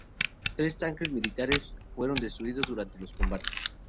Tres tanques militares fueron destruidos durante los combates.